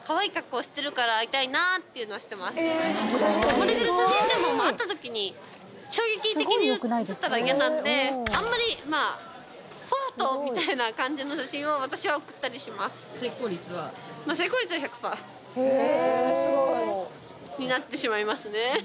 盛れてる写真でも会った時に衝撃的にうつったら嫌なんであんまりまあソフトみたいな感じの写真を私は送ったりします成功率は？になってしまいますね